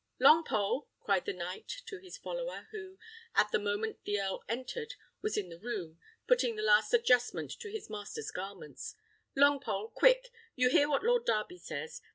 "Longpole," cried the knight to his follower, who, at the moment the Earl entered, was in the room, putting the last adjustment to his master's garments; "Longpole, quick! you hear what Lord Darby says.